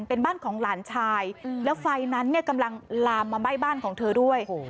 เป็นบ้านของหลานชายแล้วไฟนั้นเนี่ยกำลังลามมาไหม้บ้านของเธอด้วย